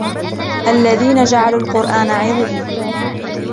الذين جعلوا القرآن عضين